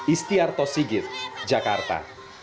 istiarto sigit jakarta